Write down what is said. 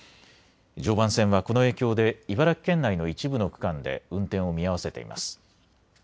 常磐線はこの影響で茨城県内の一部の区間で運転を見合わせています。